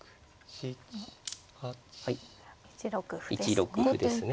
１六歩ですね。